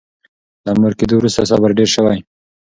له مور کېدو وروسته صبر ډېر شوی.